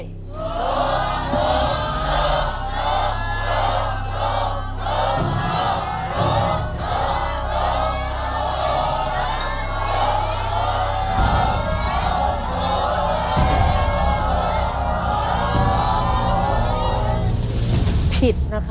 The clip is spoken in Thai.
หลบหลบหลบหลบหลบหลบหลบหลบ